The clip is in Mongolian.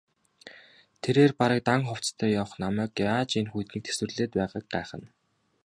Тэрээр бараг дан хувцастай явах намайг яаж энэ хүйтнийг тэсвэрлээд байгааг гайхна.